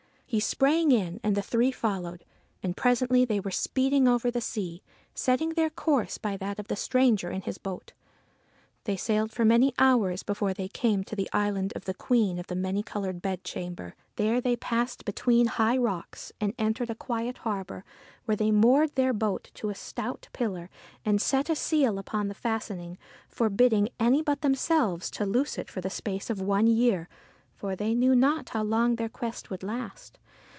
He sprang in and the three followed, and presently they were speeding over the sea, setting their course by that of the stranger in his boat. They sailed for many hours before they came to the island of the Queen of the Many coloured Bedchamber. There they passed between high rocks, and entered a quiet harbour, where they moored their boat to a stout pillar and set a seal upon the fastening, for bidding any but themselves to loose it for the space of one year, for they knew not how long their quest would last.